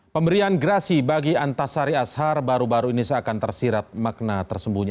pemberian gerasi bagi antasari ashar baru baru ini seakan tersirat makna tersembunyi